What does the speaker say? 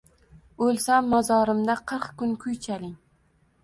– O’lsam, mozorimda qirq kun kuy chaling…